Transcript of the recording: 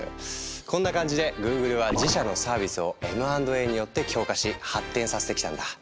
こんな感じでＧｏｏｇｌｅは自社のサービスをＭ＆Ａによって強化し発展させてきたんだ。